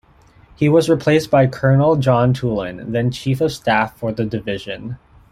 He was replaced by Colonel John Toolan, then chief of staff for the division.